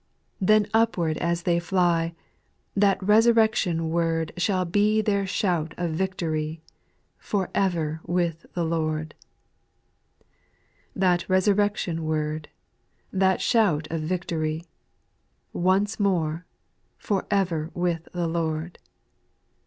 8. Then upward as they fly, That resurrection word Shall be their shout of victory —" For ever with the Lord 1" p. That Resurrection word, That shout of victory, Once more —" For ever with the Lord!"